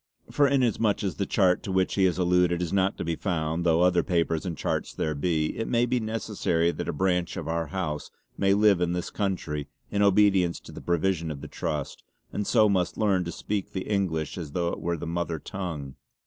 For inasmuch as the chart to which he has alluded is not to be found, though other papers and charts there be, it may be necessary that a branch of our house may live in this country in obedience to the provision of the Trust and so must learn to speak the English as though it were the mother tongue.